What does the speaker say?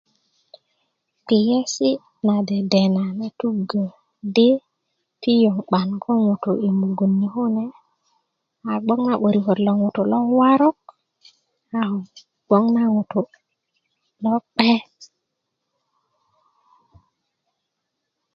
kpiyesi' na dedena na tuggö di piyö 'ban ko ŋutu' mugun ni kune a gboŋ na 'böriköt lo ŋutu' lowarok a ko gboŋ na ŋutu' lokpe